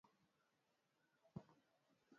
kwa mfano nenda kwenye mashamba mbalimbali